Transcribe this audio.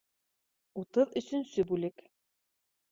Утыҙ өсөнсө бүлек